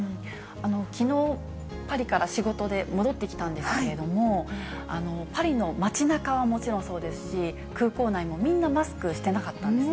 きのう、パリから仕事で戻ってきたんですけれども、パリの街なかはもちろんそうですし、空港内もみんな、マスクしてなかったんですね。